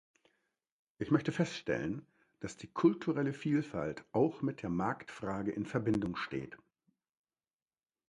Ich möchte feststellen, dass die kulturelle Vielfalt auch mit der Marktfrage in Verbindung steht.